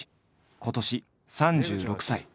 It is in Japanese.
今年３６歳。